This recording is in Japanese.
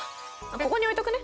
ここに置いとくね。